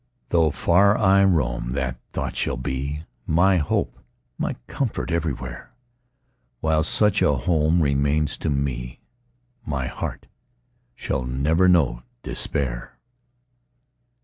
Though far I roam, that thought shall be My hope, my comfort, everywhere; While such a home remains to me, My heart shall never know despair!